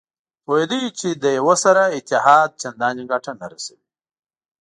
پوهېده چې له یوه سره اتحاد چندانې ګټه نه رسوي.